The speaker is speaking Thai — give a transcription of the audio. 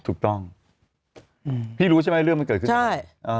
ถูกต้องพี่รู้ใช่ไหมเรื่องมันเกิดขึ้นยังไง